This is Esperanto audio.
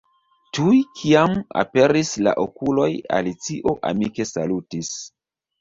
Tuj kiam aperis la okuloj, Alicio amike salutis.